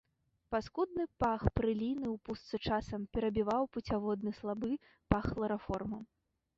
Паскудны пах прэліны ў пустцы часам перабіваў пуцяводны слабы пах хлараформу.